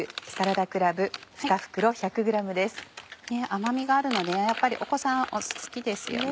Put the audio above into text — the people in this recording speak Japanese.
甘みがあるのでやっぱりお子さん好きですよね